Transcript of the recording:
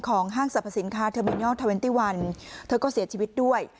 ของห้างสรรพสินค้าเทอร์มินิอลท์๒๑เธอก็เสียชีวิตด้วย